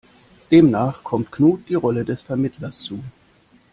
Demnach kommt Knut die Rolle des Vermittlers zu.